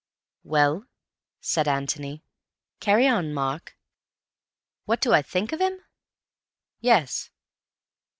"Well?" said Antony. "Carry on, Mark." "What do I think of him?" "Yes."